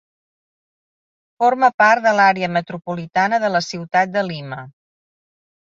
Forma part de l'àrea metropolitana de la ciutat de Lima.